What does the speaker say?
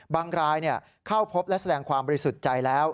รายเข้าพบและแสดงความบริสุทธิ์ใจแล้ว